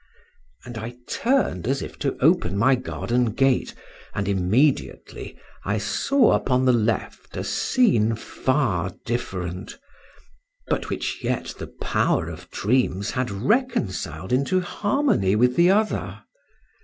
And I turned as if to open my garden gate, and immediately I saw upon the left a scene far different, but which yet the power of dreams had reconciled into harmony with the other.